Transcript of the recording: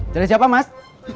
cari siapa mas